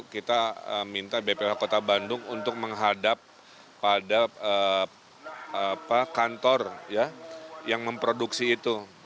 kita minta bph kota bandung untuk menghadap pada kantor yang memproduksi itu